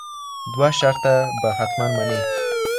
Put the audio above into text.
دوه شرطه به حتمآ منې